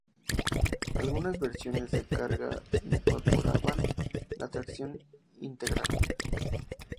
Algunas versiones de carga incorporaban la tracción integral.